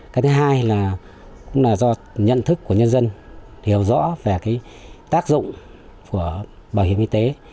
cái thứ hai là cũng là do nhận thức của nhân dân hiểu rõ về tác dụng của bảo hiểm y tế